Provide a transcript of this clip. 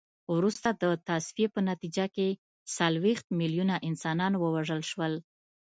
وروسته د تصفیې په نتیجه کې څلوېښت میلیونه انسانان ووژل شول.